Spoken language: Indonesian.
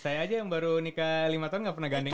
saya aja yang baru nikah lima tahun gak pernah gandeng